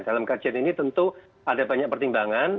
dalam kajian ini tentu ada banyak pertimbangan